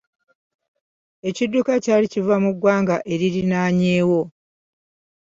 Ekidduka kyali kiva mu ggwanga eririnaanyeewo.